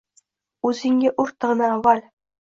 O’zingga ur tig’ni avval